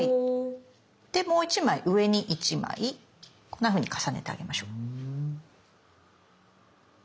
でもう１枚上に１枚こんなふうに重ねてあげましょう。